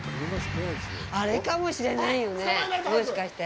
あれかもしれないよね、もしかして。